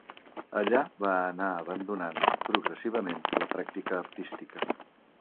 Allà va anant abandonant progressivament la pràctica artística.